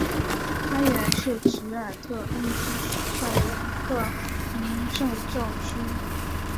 它也是奇尔特恩区属下的一个民政教区。